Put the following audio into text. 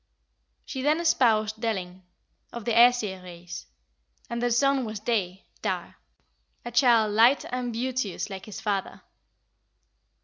She then espoused Delling, of the Æsir race, and their son was Day, (Dagr) a child light and beauteous like his father.